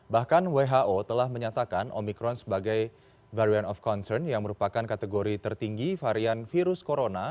bahkan who telah menyatakan omikron sebagai variant of concern yang merupakan kategori tertinggi varian virus corona